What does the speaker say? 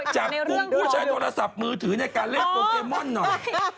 จากผู้ใช้โทรศัพท์ของมือถือในการเล่นโปเคมอนหน่อย